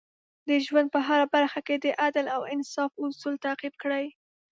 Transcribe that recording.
د ژوند په هره برخه کې د عدل او انصاف اصول تعقیب کړئ.